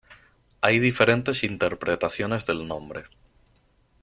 Hay diferentes interpretaciones del nombre.